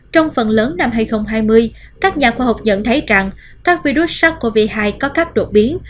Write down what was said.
trong phần lớn năm hai nghìn hai mươi các nhà khoa học nhận thấy rằng các virus sars cov hai có các đột biến